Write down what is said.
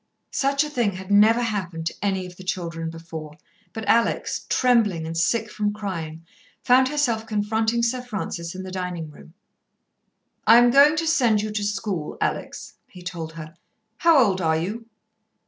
Such a thing had never happened to any of the children before, but Alex, trembling and sick from crying, found herself confronting Sir Francis in the dining room. "I am going to send you to school, Alex," he told her. "How old are you?"